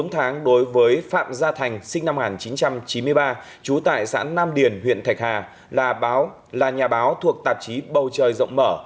bốn tháng đối với phạm gia thành sinh năm một nghìn chín trăm chín mươi ba trú tại xã nam điền huyện thạch hà là nhà báo thuộc tạp chí bầu trời rộng mở